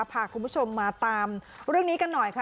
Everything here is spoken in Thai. พาคุณผู้ชมมาตามเรื่องนี้กันหน่อยค่ะ